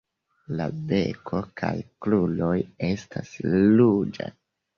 La beko kaj kruroj estas ruĝaj.